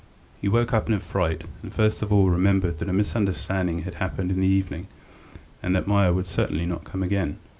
He woke up in a fright, and first of all remembered that a misunderstanding had happened in the evening, and that Meier would certainly not come again.